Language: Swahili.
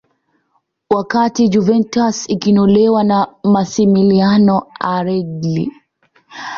wakati juventus ikinolewa na masimiliano alegri